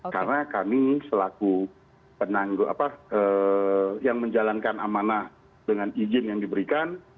karena kami selaku penanggung apa yang menjalankan amanah dengan izin yang diberikan